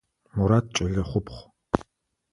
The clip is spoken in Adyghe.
Мурат кӏэлэ хъупхъ.